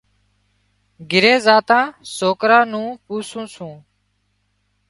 گھِري زاتان سوڪران نُون پوسُون سُون۔